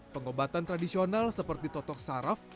pengobatan tradisional seperti totok saraf